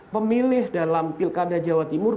pemilih dalam pilkada jawa timur